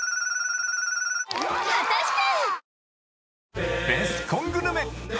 果たして？